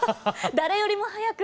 誰よりも早く！